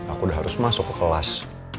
aku udah harus masuk ke kelas